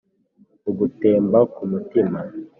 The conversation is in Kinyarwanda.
Bugutemba ku mutima.